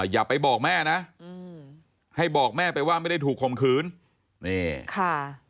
อย่าไปบอกแม่นะให้บอกแม่ไปว่าไม่ได้ถูกข่มขืนนี่ค่ะ